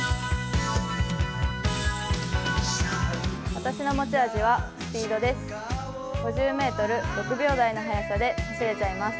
私の持ち味はスピードです。